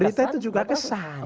berita itu juga kesan